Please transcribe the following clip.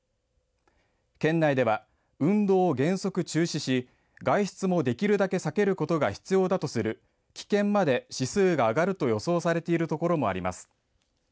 県内では、運動を原則中止し外出もできるだけ避けることが必要だとする危険まで指数が上がると予想されている所もあります。